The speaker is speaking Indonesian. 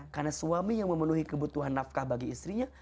karena suami yang memenuhi kebutuhan nafkah bagi istrinya